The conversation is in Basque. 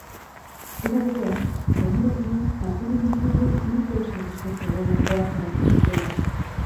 Era berean, gaineratu du kaltedunek eurek lur-jausi arriskua zegoela ohartarazi zutela.